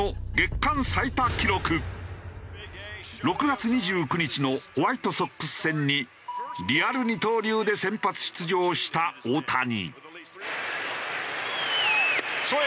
６月２９日のホワイトソックス戦にリアル二刀流で先発出場した大谷。